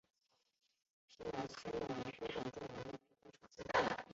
皮尔斯有一座很著名的啤酒厂。